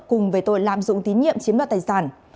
cùng về tội lạm dụng tín nhiệm chiếm đoạt tài sản